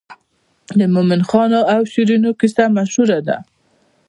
د مومن خان او شیرینو کیسه مشهوره ده.